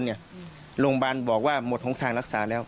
โรงพยาบาลบอกว่าหมดของทางรักษาแล้ว